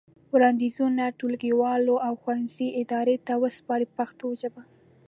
وړاندیزونه ټولګیوالو او ښوونځي ادارې ته وسپارئ په پښتو ژبه.